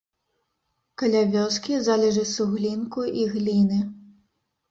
Каля вёскі залежы суглінку і гліны.